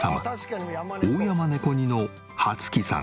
オオヤマネコ似の初喜さん。